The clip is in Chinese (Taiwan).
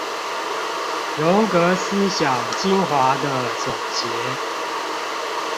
榮格思想精華的總結